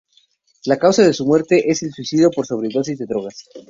La causa de su muerte es el suicidio por sobredosis de drogas.